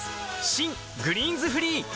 新「グリーンズフリー」